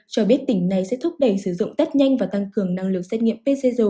cho biết tỉnh này sẽ thúc đẩy sử dụng test nhanh và tăng cường năng lực xét nghiệm pcr